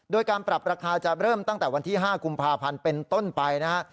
โดยการปรับราคาจะเริ่มตั้งแต่วันที่๕กุมภาพันธ์เป็นต้นไปนะฮะ